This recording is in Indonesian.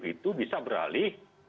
itu bisa beralih